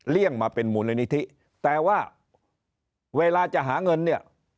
มาเป็นมูลนิธิแต่ว่าเวลาจะหาเงินเนี่ย